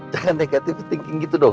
jangan negative thinking gitu dong